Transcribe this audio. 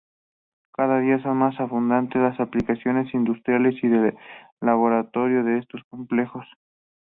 Cada día son más abundantes las aplicaciones industriales y de laboratorio de estos complejos.